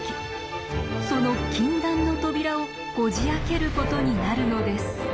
その禁断の扉をこじあけることになるのです。